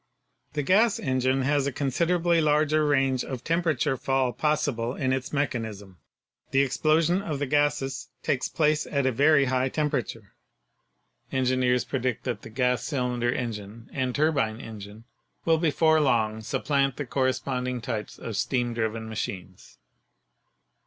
The gas engine has a considerably larger range of tem perature fall possible in its mechanism. The explosion of the gases takes place at a very high temperature. Engi neers predict that the gas cylinder engine and turbine en gine will before long supplant the corresponding types of steam driven machines.